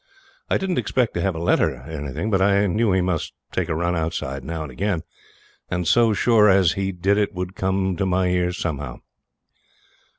I didn't expect to have a letter or anything, but I knew he must take a run outside now and again; and so sure as he did it would come to my ears somehow.